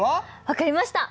分かりました！